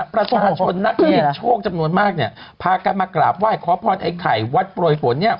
ประชาชนนักศิษย์โชคจำนวนมากพากันมากราบไหว้ขอพรไอ้ไข่วัดโปรยฝน